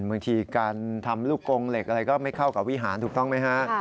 บางทีการทำลูกกงเหล็กอะไรก็ไม่เข้ากับวิหารถูกต้องไหมฮะ